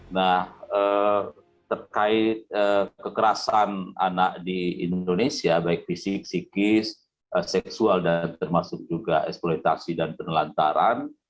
nah terkait kekerasan anak di indonesia baik fisik psikis seksual dan termasuk juga eksploitasi dan penelantaran